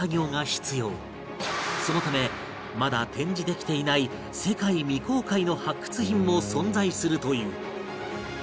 そのためまだ展示できていない世界未公開の発掘品も存在するという